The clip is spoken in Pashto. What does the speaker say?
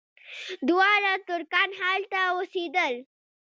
دواړه ترکان هلته اوسېدل.